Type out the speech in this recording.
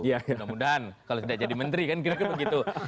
mudah mudahan kalau tidak jadi menteri kan kira kira begitu